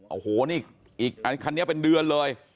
โอ้โหนี่อีกคันนี้เป็นเดือนเลย